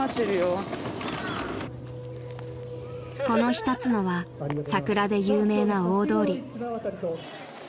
［この日立つのは桜で有名な大通り］